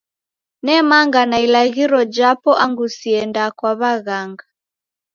Nemanga na ilaghiro japo angu siendaa kwa w'aghanga.